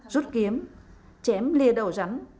rút kiếm chém lia đầu rắn